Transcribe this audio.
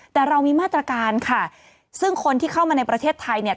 แต่เรามีมาตรการค่ะซึ่งคนที่เข้ามาในประเทศไทยเนี่ย